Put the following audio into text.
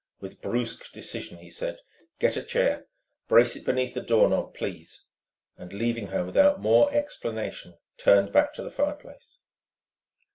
With brusque decision he said: "Get a chair brace it beneath the door knob, please!" and leaving her without more explanation turned back to the fireplace.